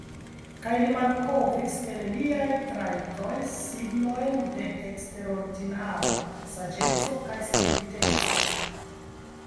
Kaj li malkovris en liaj trajtoj signojn de eksterordinara saĝeco kaj spriteco.